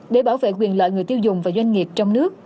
để bảo vệ quyền lợi người tiêu dùng và doanh nghiệp trong nước